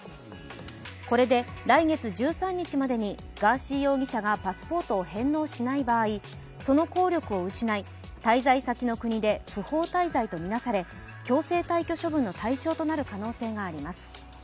これで来月１３日までにガーシー容疑者がパスポートを返納しない場合、その効力を失い滞在先の国で不法滞在とみなされ強制退去処分の対象となる可能性があります。